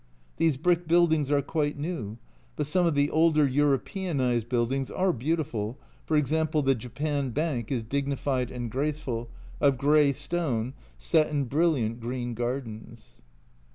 These brick buildings are quite new ; but some of the older Europeanised buildings are beautiful, for example, the Japan Bank is dignified and graceful, of grey stone, set in brilliant green gardens.